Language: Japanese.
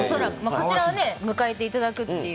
こちらは迎えていただくという。